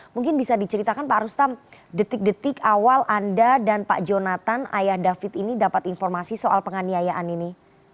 mungkin bisa diceritakan pak rustam detik detik awal anda dan pak jonathan ayah david ini dapat informasi soal penganiayaan ini